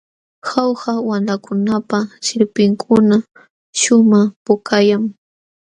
Jauja wamlakunapa sirpinkuna shumaq pukallam.